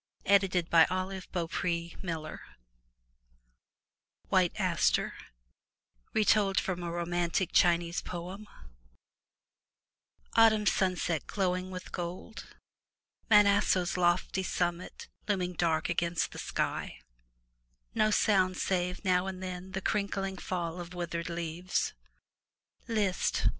'' Z7^ FROM THE TOWER WINDOW WHITE ASTER Retold from a Romantic Chinese Poem AUTUMN sunset glowing with gold, Mt. Aso's lofty summit looming dark against the sky, no sound save now and then the crinkling fall of withered leaves. List!